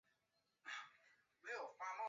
续杯一杯免费